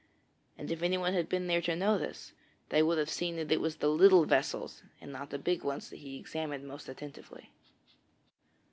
And if anyone had been there to notice, they would have seen that it was the little vessels and not the big ones that he examined most attentively.